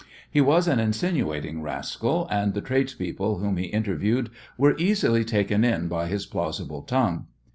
He was an insinuating rascal, and the tradespeople whom he interviewed were easily taken in by his plausible tongue.